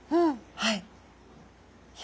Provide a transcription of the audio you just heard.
はい。